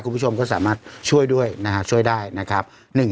คุณผู้ชมก็สามารถช่วยด้วยนะฮะช่วยได้นะครับ